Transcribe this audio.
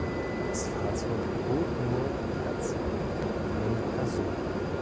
Das Fahrzeug bot nur Platz für eine Person.